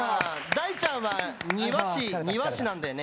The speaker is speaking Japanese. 大ちゃんは庭師なんだよね。